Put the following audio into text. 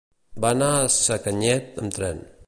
Va anar a Sacanyet amb tren.